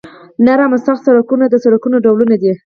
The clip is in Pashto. نرم او سخت سرکونه د سرکونو ډولونه دي